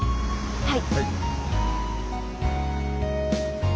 はい。